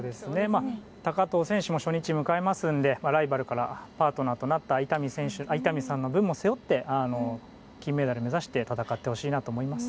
高藤選手も初日を迎えますのでライバルからパートナーとなった伊丹さんの分も背負って金メダル目指して戦ってほしいなと思います。